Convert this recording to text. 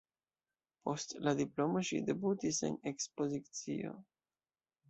Post la diplomo ŝi debutis en ekspozicio.